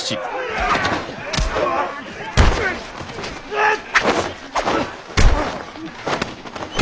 うっ！